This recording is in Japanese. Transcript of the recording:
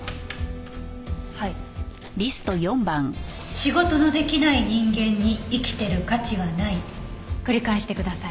「仕事のできない人間に生きてる価値はない」繰り返してください。